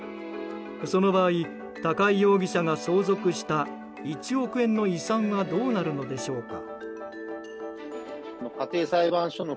その場合、高井容疑者が相続した１億円の遺産はどうなるのでしょうか。